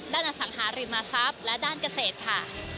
อสังหาริมทรัพย์และด้านเกษตรค่ะ